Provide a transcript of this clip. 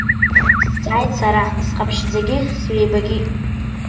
Сҵааит сара, сҟаԥшьӡагьы сҩеибакит.